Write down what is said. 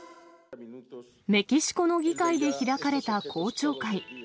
メキシコの議会で開かれた公聴会。